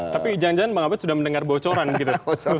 tapi jangan jangan bang abed sudah mendengar bocoran gitu